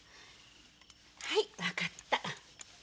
はい分かった。